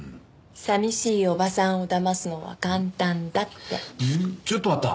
寂しいおばさんをだますのは簡単だって。ちょっと待った。